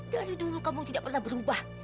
dari dulu kamu tidak pernah berubah